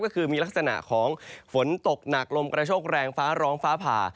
ก็คือมีลักษณะของฝนตกหนักลมกระโชคแรงฟ้าร้องฟ้าผ่า